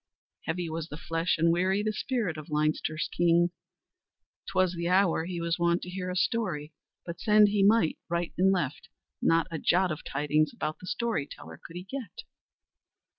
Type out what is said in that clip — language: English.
Heavy was the flesh and weary the spirit of Leinster's king. 'Twas the hour he was wont to hear a story, but send he might right and left, not a jot of tidings about the story teller could he get.